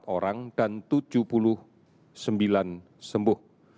delapan puluh empat orang dan tujuh puluh sembilan sembuh